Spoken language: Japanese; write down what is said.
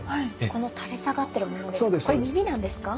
この垂れ下がってるものですか？